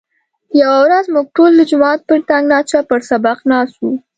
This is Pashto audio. یوه ورځ موږ ټول د جومات پر تنګاچه پر سبق ناست وو.